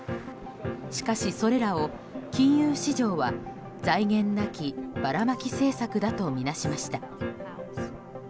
しかし、それらを金融市場は財源なきバラマキ政策だとみなしました。